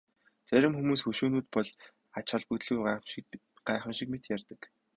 Зарим хүмүүс хөшөөнүүд бол ач холбогдолгүй гайхамшиг мэт ярьдаг.